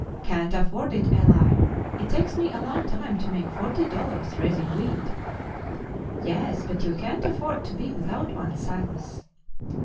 "Can't afford it, Eli; it takes me a long time to make forty dollars raising wheat." "Yes; but you can't afford to be without one, Silas."